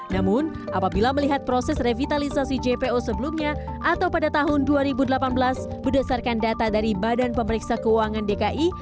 namun apabila melihat proses revitalisasi jpo sebelumnya atau pada tahun dua ribu delapan belas berdasarkan data dari badan pemeriksa keuangan dki